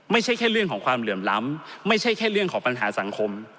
ไม่ใช่แค่เรื่องของความเหลื่อมล้ำไม่ใช่แค่เรื่องของปัญหาสังคม